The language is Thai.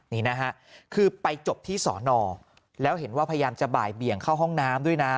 นี่นะฮะคือไปจบที่สอนอแล้วเห็นว่าพยายามจะบ่ายเบี่ยงเข้าห้องน้ำด้วยนะ